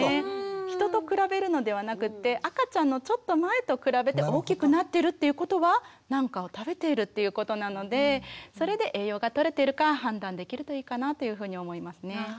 人と比べるのではなくって赤ちゃんのちょっと前と比べて大きくなってるっていうことは何かを食べているっていうことなのでそれで栄養がとれてるか判断できるといいかなというふうに思いますね。